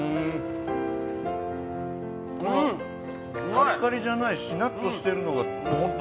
カリカリじゃないしなっとしてるのが本当